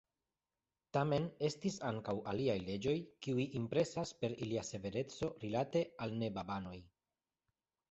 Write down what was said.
Tamen estis ankaŭ aliaj leĝoj, kiuj impresas per ilia severeco rilate al ne-babanoj.